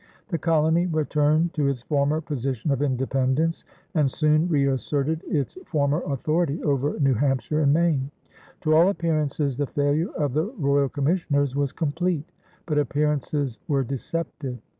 The colony returned to its former position of independence and soon reasserted its former authority over New Hampshire and Maine. To all appearances the failure of the royal commissioners was complete, but appearances were deceptive.